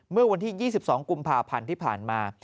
เมื่อวันที่๒๒กุมภาพันธ์ที่ผ่านมา